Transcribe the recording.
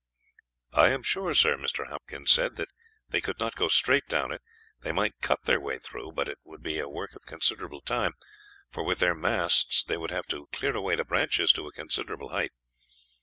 "I am sure, sir," Mr. Hopkins said, "that they could not go straight down it. They might cut their way through, but it would be a work of considerable time, for with their masts they would have to clear away the branches to a considerable height.